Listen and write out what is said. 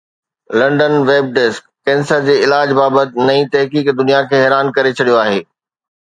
London (web desk) cancer جي علاج بابت نئين تحقيق دنيا کي حيران ڪري ڇڏيو آهي